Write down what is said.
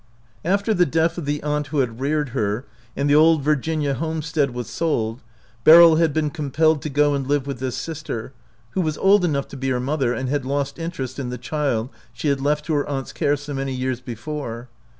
After the death of the aunt who had reared her, and the old Virginia homestead was sold, Beryl had been compelled to go and live with this sister, who was old enough to be her mother and had lost interest in the child she had left to her aunt's care so many years before.